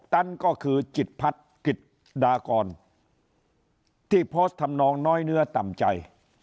ตันก็คือจิตพัฒน์กิจดากรที่โพสต์ทำนองน้อยเนื้อต่ำใจ